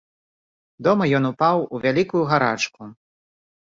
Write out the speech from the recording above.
Дома ён упаў у вялікую гарачку.